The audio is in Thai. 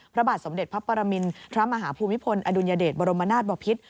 พระบาทสมเด็จพระปรมินทรมาฮภูมิพลอดุลยเดชบรมนาศบพิษ